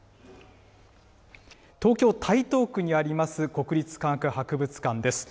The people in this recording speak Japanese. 東京・台東区にあります国立科学博物館です。